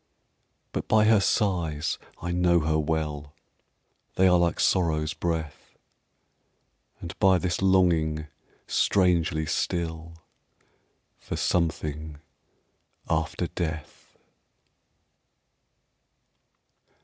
But by her sighs I know her well They are like Sorrow's breath; And by this longing, strangely still, For something after death.